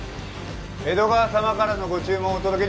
江戸川様からのご注文をお届けに参りました。